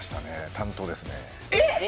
担当ですね。